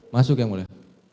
masuk yang boleh